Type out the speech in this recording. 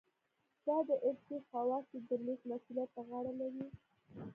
دا د ارثي خواصو د لېږد مسوولیت په غاړه لري.